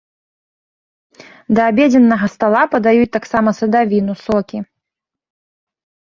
Да абедзеннага стала падаюць таксама садавіну, сокі.